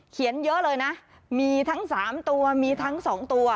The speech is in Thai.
เยอะเลยนะมีทั้ง๓ตัวมีทั้ง๒ตัว